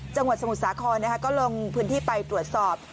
จังหวัดสมุทรศาครนะคะก็ลงพื้นที่ไปตรวจสอบ